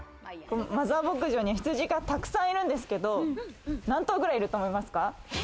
マザー牧場には羊が沢山いるんですけど、何頭くらいいると思いますか？